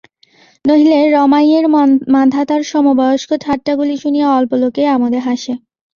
নহিলে রমাইয়ের মান্ধাতার সমবয়স্ক ঠাট্টাগুলি শুনিয়া অল্প লােকেই আমােদে হাসে।